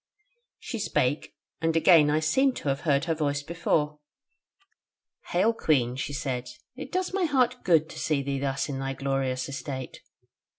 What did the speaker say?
She spake, and again I seemed to have heard her voice before: 'Hail, Queen,' she said, 'it does my heart good to see thee thus in thy glorious estate.'